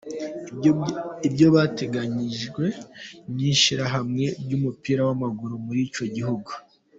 Ibyo byatangajwe n'ishyirahamwe ry'umupira w'amaguru muri icyo gihugu.